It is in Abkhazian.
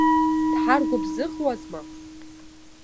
Дҳаргәыбзыӷуазма?!